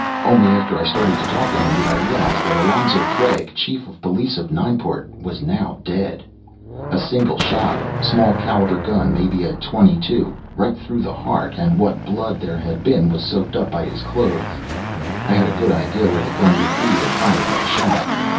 Only after I started to talk to him did I realize that Alonzo Craig, Chief of Police of Nineport, was now dead. A single shot. Small caliber gun, maybe a .22. Right through the heart and what blood there had been was soaked up by his clothes. I had a good idea where the gun would be that fired that shot.